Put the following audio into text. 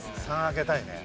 ３開けたいね。